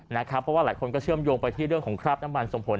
เพราะว่าหลายคนก็เชื่อมโยงไปที่เรื่องของคราบน้ำมันส่งผล